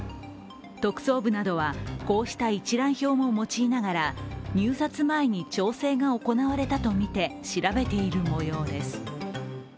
特捜部などはこうした一覧表も用いながら入札前に調整が行われたとみて調べている模様です。